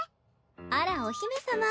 あらお姫様。